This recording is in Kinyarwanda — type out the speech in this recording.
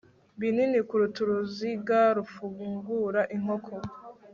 binini kuruta uruziga rufungura inkoko